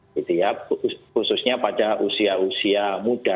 khususnya pada usia usia muda